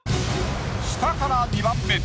下から２番目。